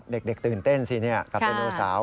เด็กตื่นเต้นสิกับไดโนเสาร์